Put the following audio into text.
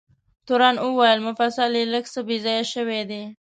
تورن وویل: مفصل یې لږ څه بې ځایه شوی دی.